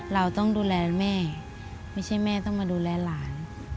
เราต้องดูแลแม่ไม่ใช่แม่ต้องมาดูแลหลาน